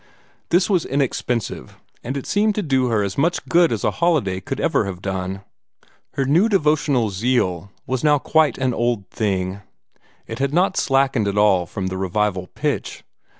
This was inexpensive, and it seemed to do her as much good as a holiday could have done. Her new devotional zeal was now quite an odd thing; it had not slackened at all from the revival pitch.